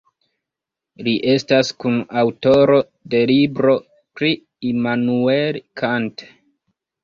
Li estas kunaŭtoro de libro pri Immanuel Kant.